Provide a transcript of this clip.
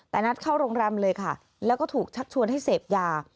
แต่นัดเข้าโรงแรมเลยค่ะแล้วก็ถูกชักชวนให้เสพยา